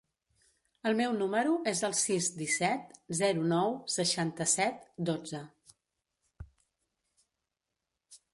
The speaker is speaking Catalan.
El meu número es el sis, disset, zero, nou, seixanta-set, dotze.